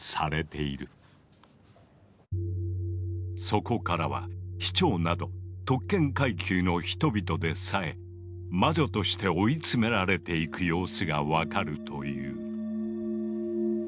そこからは市長など特権階級の人々でさえ魔女として追い詰められていく様子が分かるという。